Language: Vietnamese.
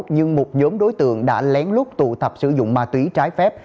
nhưng một nhóm đối tượng đã lén lút tụ tập sử dụng ma túy trái phép